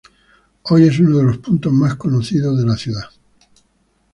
Hoy es uno de los puntos más conocidos de la ciudad.